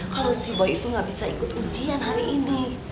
kalo si boy itu gak bisa ikut ujian hari ini